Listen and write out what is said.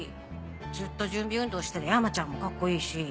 ずっと準備運動してた山ちゃんもカッコいいし。